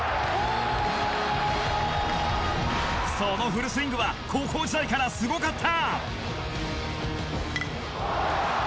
そのフルスイングは高校時代からすごかった！